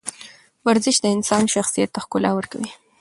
ورزش د انسان شخصیت ته ښکلا ورکوي.